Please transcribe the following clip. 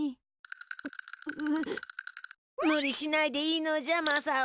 むりしないでいいのじゃまさお。